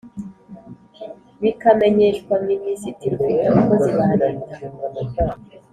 bikamenyeshwa minisitiri ufite abakozi ba leta